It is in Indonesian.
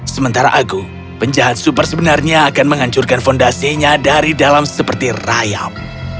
sementara agung penjahat super sebenarnya akan menghancurkan fondasinya dari dalam seperti rayap